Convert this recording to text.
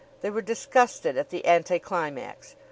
They were disgusted at the anticlimax.